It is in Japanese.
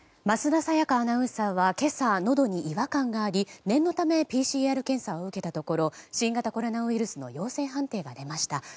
桝田沙也香アナウンサーは今朝のどに違和感があり念のためＰＣＲ検査を受けたところ新型コロナウイルスの陽性判定が出ました。